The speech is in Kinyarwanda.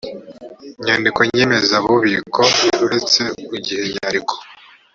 nyandiko nyemezabubiko uretse igihe inyandiko